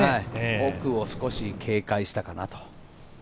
奥を警戒したかなと。